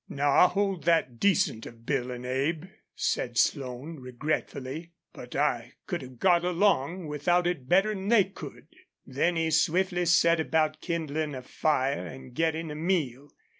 "Now I hold that decent of Bill an' Abe," said Slone, regretfully. "But I could have got along without it better 'n they could." Then he swiftly set about kindling a fire and getting a meal.